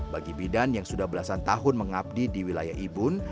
bagi bidan yang sudah belasan tahun mengabdi di wilayah ibun